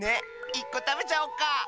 １こたべちゃおっか？